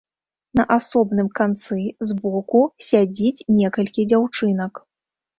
На асобным канцы, збоку, сядзіць некалькі дзяўчынак.